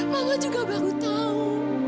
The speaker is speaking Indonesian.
mama juga baru tahu